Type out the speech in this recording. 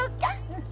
うん。